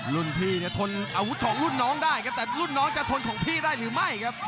รุ่นพี่เนี่ยทนอาวุธของรุ่นน้องได้ครับแต่รุ่นน้องจะทนของพี่ได้หรือไม่ครับ